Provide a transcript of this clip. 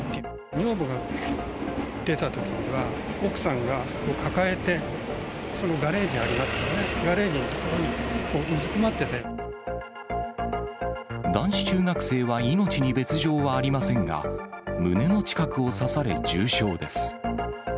女房が出たときには、奥さんが抱えて、そのガレージありますよね、男子中学生は命に別状はありませんが、胸の近くを刺され重傷です。